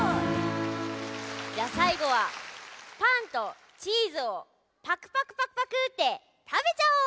じゃあさいごはパンとチーズをパクパクパクパクってたべちゃおう！